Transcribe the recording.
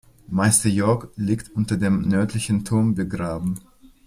Meister Jörg liegt unter dem nördlichen Turm begraben.